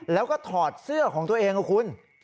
แล้วก็ถอดเสื้อของตัวเองนะคุณ